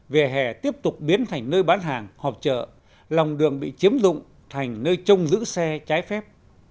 về hè tiếp tục biến thành nơi bán hàng họp chợ lòng đường bị chiếm dụng thành nơi trông giữ xe trái phép